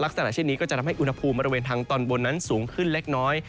ลักษณะเช่นนี้ก็จะทำให้อุณหภูมิบริเวณทางตอนบนนั้นสูงขึ้นเล็กน้อย